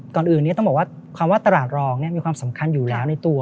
ก่อนอื่นนี้ต้องบอกว่าคำว่าตลาดรองมีความสำคัญอยู่แล้วในตัว